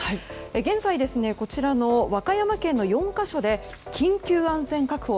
現在こちらの和歌山県の４か所で緊急安全確保。